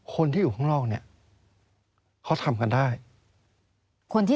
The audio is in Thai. คนที่อยู่ข้างล่องเนี่ยเขาทำกันได้